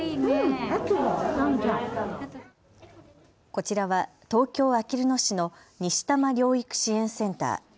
こちらは東京あきる野市の西多摩療育支援センター。